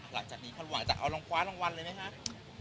หลังจากนี้คาดหวังจะเอารองคว้ารางวัลเลยไหมครับ